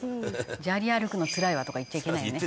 “砂利歩くのつらいわ”とか言っちゃいけないよね」